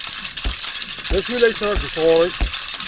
D acu i la yettṛaǧu sɣur-k?